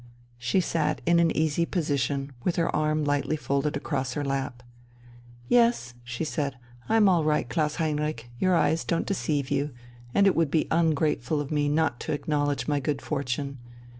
She sat in an easy position, with her arm lightly folded across her lap. "Yes," she said, "I'm all right, Klaus Heinrich, your eyes don't deceive you, and it would be ungrateful of me not to acknowledge my good fortune.